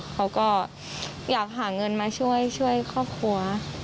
เขาก็อยากหาเงินมาช่วยครอบครัว